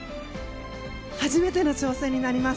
初めての挑戦になります。